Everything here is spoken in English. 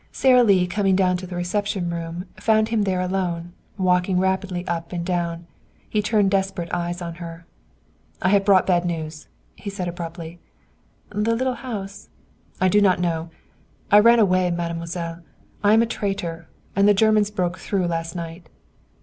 Sara Lee, coming down to the reception room, found him alone there, walking rapidly up and down. He turned desperate eyes on her. "I have brought bad news," he said abruptly. "The little house " "I do not know. I ran away, mademoiselle. I am a traitor. And the Germans broke through last night."